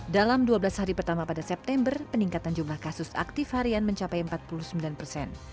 dalam dua belas hari pertama pada september peningkatan jumlah kasus aktif harian mencapai empat puluh sembilan persen